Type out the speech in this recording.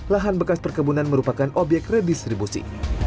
lahan bekas perkebunan merupakan obyek redistribusi